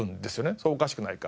「それおかしくないか？」